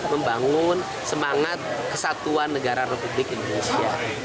membangun semangat kesatuan negara republik indonesia